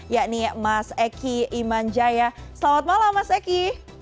yakni mas eki imanjaya selamat malam mas eki